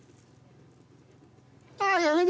ああっやめて！